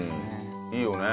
いいよね。